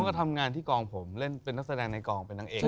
ก็ทำงานที่กองผมเล่นเป็นนักแสดงในกองเป็นนางเอก